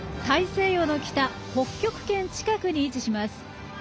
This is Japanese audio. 大西洋の北、北極圏近くに位置します。